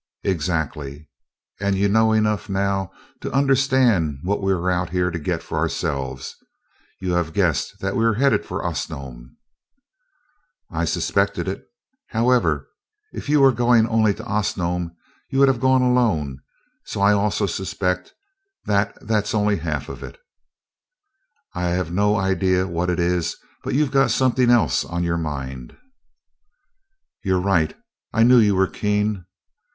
"Exactly, and you know enough now to understand what we are out here to get for ourselves. You have guessed that we are headed for Osnome?" "I suspected it. However, if you were going only to Osnome, you would have gone alone; so I also suspect that that's only half of it. I have no idea what it is, but you've got something else on your mind." "You're right I knew you were keen.